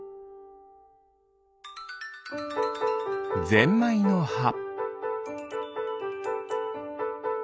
ゼンマイのは。